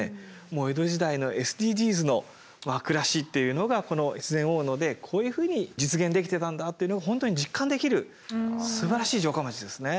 江戸時代のＳＤＧｓの暮らしというのがこの越前大野でこういうふうに実現できてたんだというのが本当に実感できるすばらしい城下町ですね。